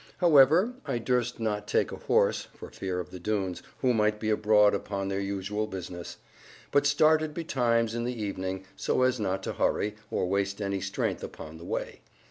However, I durst not take a horse (for fear of the Doones, who might be abroad upon their usual business), but started betimes in the evening, so as not to hurry, or waste any strength upon the way.